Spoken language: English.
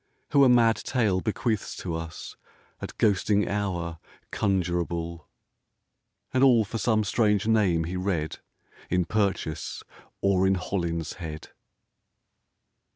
Who a mad tale bequeaths to us At ghosting hour conjurable — And all for some strange name he read In Purchas or in Holinshed.